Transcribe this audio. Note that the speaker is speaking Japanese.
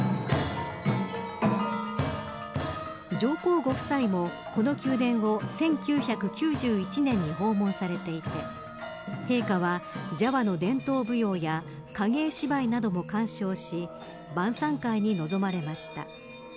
上皇ご夫妻もこの宮殿を１９９１年に訪問されていて陛下は、ジャワの伝統舞踊や影絵芝居なども鑑賞し晩さん会に臨まれました。